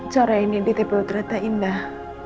sore ini di tpu terata indah